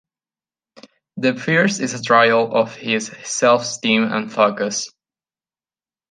The first is a trial of his self-esteem and focus.